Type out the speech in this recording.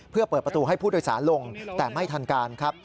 เพื่อเปิดประตูให้ผู้โดยสารลงแต่ไม่ทันการครับ